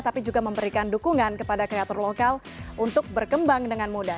tapi juga memberikan dukungan kepada kreator lokal untuk berkembang dengan mudah